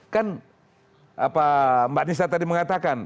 kan mbak nisa tadi mengatakan